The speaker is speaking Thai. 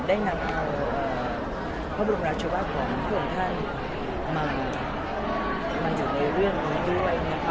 ได้นำเอาพระบรมราชวะของพระองค์ท่านมาอยู่ในเรื่องนี้ด้วย